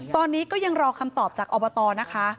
ตอนนี้ก็ยังรอคำตอบจากอบตนะคะ